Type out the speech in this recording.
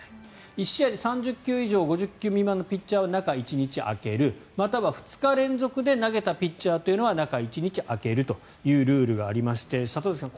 １試合で３０球以上５０球未満のピッチャーは中１日空けるまたは２日連続で投げたピッチャーは中１日空けるというルールがありまして、里崎さん